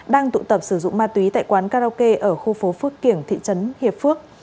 đang tụ tập sử dụng ma túy tại quán karaoke ở khu phố phước kiểng thị trấn hiệp phước